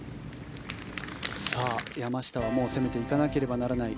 山下は攻めていかなければならない。